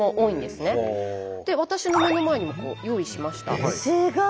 私の目の前にも用意しました。